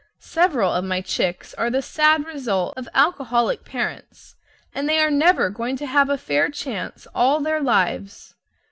Several of my chicks are the sad result of alcoholic parents, and they are never going to have a fair chance all their lives.